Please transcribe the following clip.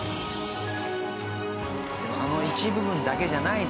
でもあの一部分だけじゃないんですね